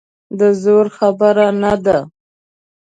د زور خبره نه ده.